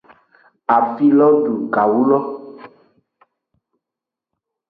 Asi lo du gawu lo.